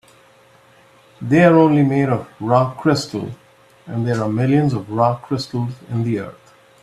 They're only made of rock crystal, and there are millions of rock crystals in the earth.